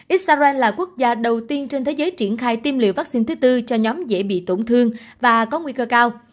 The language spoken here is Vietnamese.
israel là quốc gia đầu tiên trên thế giới triển khai tiêm liều vaccine thứ tư cho nhóm dễ bị tổn thương và có nguy cơ cao